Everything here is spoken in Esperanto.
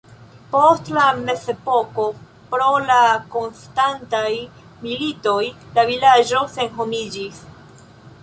Post la mezepoko pro la konstantaj militoj la vilaĝo senhomiĝis.